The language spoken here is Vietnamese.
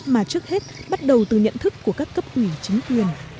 mà trước hết bắt đầu từ nhận thức của các cấp ủy chính quyền